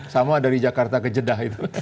sama dari jakarta ke jeddah itu